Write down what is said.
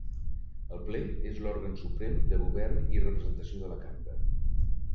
El Ple és l'òrgan suprem de govern i representació de la Cambra.